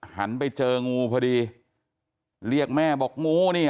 หันไปเจองูพอดีเรียกแม่บอกงูนี่